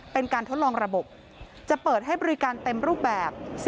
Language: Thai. เป็นการทดลองระบบจะเปิดให้บริการเต็มรูปแบบ